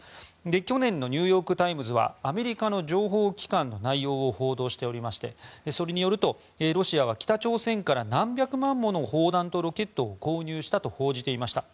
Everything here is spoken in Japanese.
去年のニューヨーク・タイムズはアメリカの情報機関の内容を報道しておりましてそれによるとロシアは北朝鮮から何百万もの砲弾とロケットを購入したと報じていました。